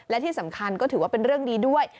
และที่สำคัญก็ถือว่าเป็นเรื่องดีด้วย